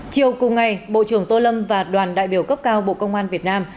chiều cùng ngày bộ trưởng tô lâm và đoàn đại biểu cấp cao bộ công an việt nam